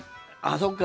そっか。